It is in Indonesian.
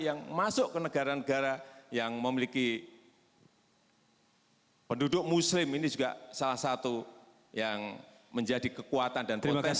yang masuk ke negara negara yang memiliki penduduk muslim ini juga salah satu yang menjadi kekuatan dan potensi